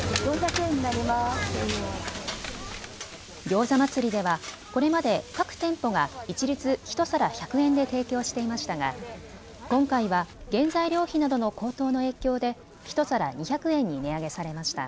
餃子祭りではこれまで各店舗が一律１皿１００円で提供していましたが今回は原材料費などの高騰の影響で１皿２００円に値上げされました。